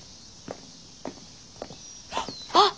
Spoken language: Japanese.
あっ！